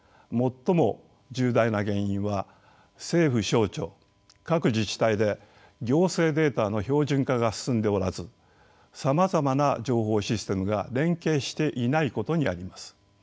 最も重大な原因は政府省庁各自治体で行政データの標準化が進んでおらずさまざまな情報システムが連携していないことにあります。